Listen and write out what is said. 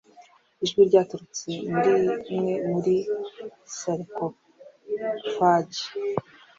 Ijwi ryaturutse muri imwe muri sarcophagi